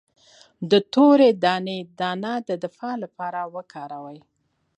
د تورې دانې دانه د دفاع لپاره وکاروئ